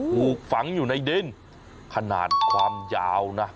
ถูกฝังอยู่ในดินขนาดความยาวนะ